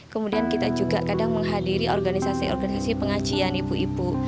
kemudian kita juga kadang menghadiri organisasi organisasi pengajian ibu ibu